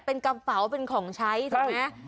เป็นกระเป๋าเป็นของใช้ถูกไหม